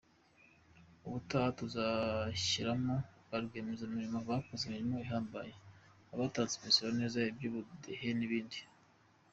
Ubutaha tuzashyiramo ba rwiyemezamirimo bakoze imirimo ihambaye, abatanze imisoro neza, iby’ubudehe n’ibindi.